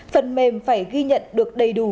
phần mềm phải ghi nhận được đầy đủ